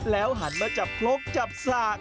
แล้วหันมาจับครกจับสาก